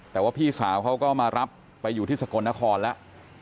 แต่ว่าพี่สาวเขาก็มารับไปอยู่ที่สกลนครแล้ว